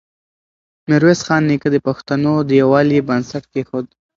ميرويس خان نیکه د پښتنو د يووالي بنسټ کېښود.